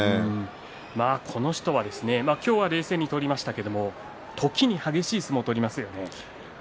この人は今日は冷静に取りましたけど時に激しい相撲を取りますよね。